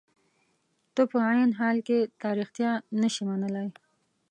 ته په عین حال کې دا رښتیا نشې منلای.